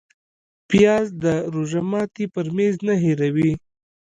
پیاز د روژه ماتي پر میز نه هېروې